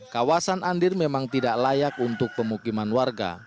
kawasan andir memang tidak layak untuk pemukiman warga